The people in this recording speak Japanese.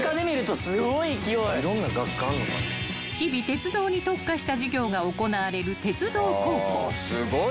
［日々鉄道に特化した授業が行われる鉄道高校］